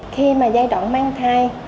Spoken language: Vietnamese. khi mà giai đoạn mang thai